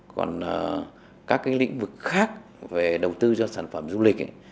còn các lĩnh vực khác về đầu tư cho sản phẩm du lịch